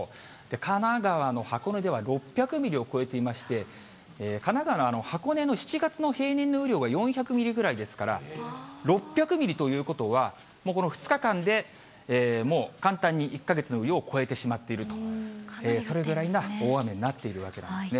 神奈川の箱根では、６００ミリを超えていまして、神奈川の箱根の７月の平年の雨量が４００ミリぐらいですから、６００ミリということは、この２日間で、もう簡単に１か月の雨量を超えてしまっていると、それぐらいな大雨になっているわけなんですね。